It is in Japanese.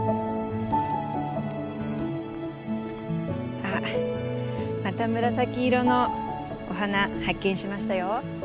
あっまた紫色のお花発見しましたよ。